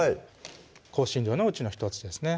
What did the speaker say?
香辛料のうちの１つですね